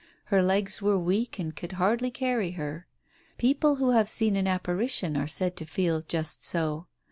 Her legs were weak and could hardly carry her. People who have seen an apparitioti are said to feel just so.